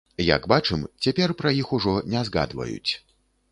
Як бачым, цяпер пра іх ужо не згадваюць.